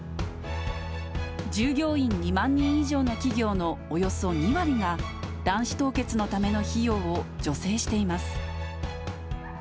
従業員２万人以上の企業のおよそ２割が、卵子凍結のための費用を助成しています。